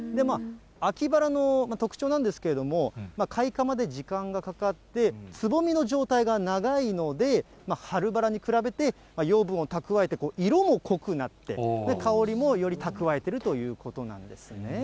秋バラの特徴なんですけれども、開花まで時間がかかって、つぼみの状態が長いので、春バラに比べて養分を蓄えて、色も濃くなって、香りもより蓄えてるということなんですね。